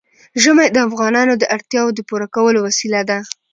ژمی د افغانانو د اړتیاوو د پوره کولو وسیله ده.